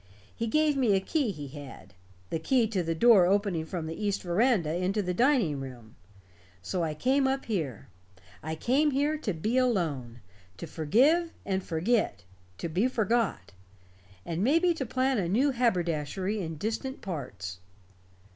He gave me a key he had the key of the door opening from the east veranda into the dining room. So I came up here. I came here to be alone, to forgive and forget, to be forgot. And maybe to plan a new haberdashery in distant parts."